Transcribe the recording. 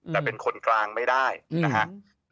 แต่เป็นคนกลางไม่ได้นะครับ